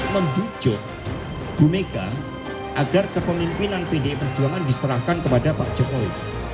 membucuk bumeka agar kepemimpinan pdi perjuangan diserahkan kepada pak jokowi